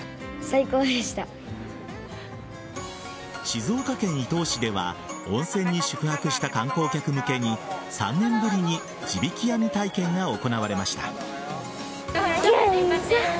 静岡県伊東市では温泉に宿泊した観光客向けに３年ぶりに地引き網体験が行われました。